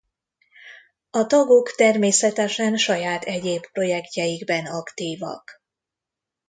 A tagok természetesen saját egyéb projektjeikben aktívak.